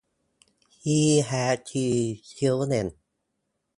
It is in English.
He has three children.